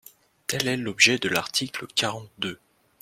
Tel est l’objet de l’article quarante-deux.